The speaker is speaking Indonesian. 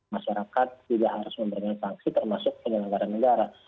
masyarakat juga harus memberikan sanksi termasuk penyelenggara negara